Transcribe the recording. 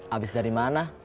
abis dari mana